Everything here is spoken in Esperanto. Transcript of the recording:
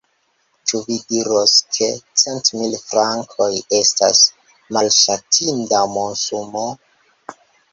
Ĉu vi diros, ke centmil frankoj estas malŝatinda monsumo?